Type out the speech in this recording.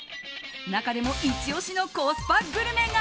中でもイチ押しのコスパグルメが。